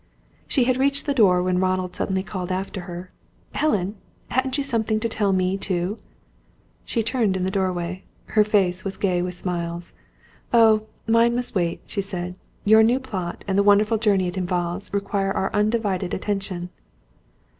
She had reached the door when Ronald suddenly called after her: "Helen! Hadn't you something to tell me, too?" She turned in the doorway. Her face was gay with smiles. "Oh, mine must wait," she said. "Your new plot, and the wonderful journey it involves, require our undivided attention."